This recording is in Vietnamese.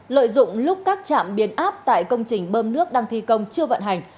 lợi dụng lúc các trạm biến áp tại công trình bơm nước đang thi công chưa vận hành